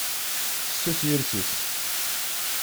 Fessus yiles-is.